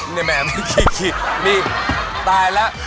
นํี้แหมไม่เกียจนีบตายละ